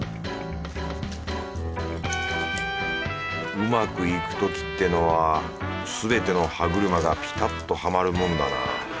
うまくいくときってのはすべての歯車がピタッとはまるもんだなぁ。